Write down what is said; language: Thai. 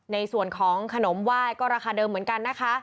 ในส่วนของขนมไหว้ก็ราคาเดิมเหมือนกันนะคะ